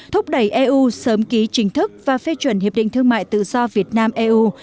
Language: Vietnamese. thúc đẩy eu sớm ký chính thức và phê chuẩn hiệp định thương mại tự do việt nam eu